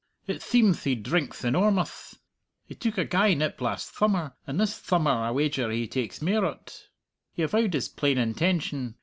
It theemth he drinkth enormuth! He took a gey nip last thummer, and this thummer I wager he takes mair o't. He avowed his plain intention.